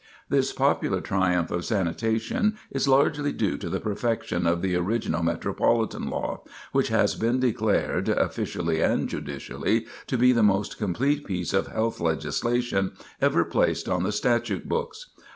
[Sidenote: The Reform National in Its Results] This popular triumph of sanitation is largely due to the perfection of the original Metropolitan Law, which has been declared, officially and judicially, to be the most complete piece of health legislation ever placed on the statute books.